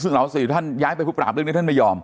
ซึ่งเรา๔ท่านย้ายไปผู้ปราบเรื่องนี้ท่านไม่ยอม